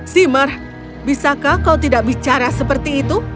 seamer bisakah kau tidak bicara seperti itu